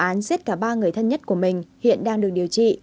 vụ án giết cả ba người thân nhất của mình hiện đang được điều trị